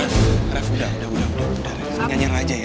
ref ref udah udah udah mendingan aja ya